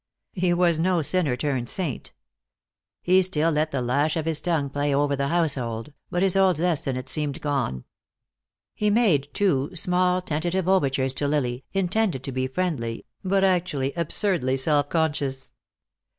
He was no sinner turned saint. He still let the lash of his tongue play over the household, but his old zest in it seemed gone. He made, too, small tentative overtures to Lily, intended to be friendly, but actually absurdly self conscious.